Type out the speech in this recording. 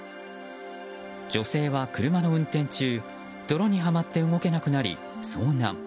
女性は車の運転中泥にはまって動けなくなり遭難。